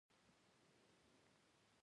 د بخارۍ کارونه د ځینو لپاره یوه اړتیا ده.